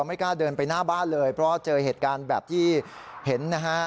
ไม่กล้าเดินไปหน้าบ้านเลยเพราะเจอเหตุการณ์แบบที่เห็นนะฮะ